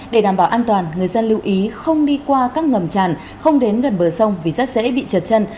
để đảm bảo an toàn người dân lưu ý không đi qua các ngầm tràn không đến gần bờ sông vì rất dễ bị trượt chân